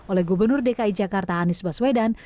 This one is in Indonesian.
oleh gubernur dki jakarta